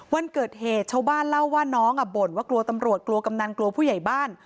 วันเกิดเหตุชาวบ้านเล่าว่าน้องบ่นว่ากลัวตำรวจกลัวกำนันกลัวผู้ใหญ่บ้าน